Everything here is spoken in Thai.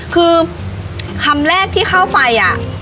คือคำแรกที่เข้าไป